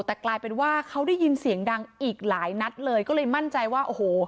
แต่กลายเป็นว่าเขาได้ยินเสียงดังอีกหลายนัดเลยก็เลยมั่นใจว่าโอ้โห